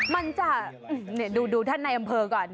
มันจะดูท่านในอำเภอก่อน